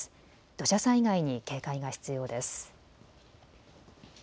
土砂災害に警戒が必要です。